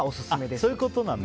そういうことなんだ。